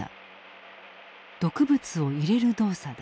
毒物を入れる動作だ。